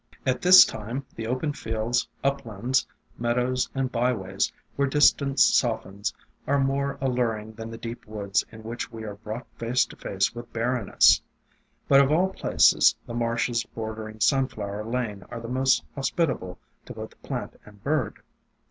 At this time the open fields, uplands, meadows, and byways, where distance softens, are more allur ing than the deep woods in which we are brought face to face with barrenness. But of all places, the marshes bordering Sunflower Lane are the most hospitable to both plant and bird.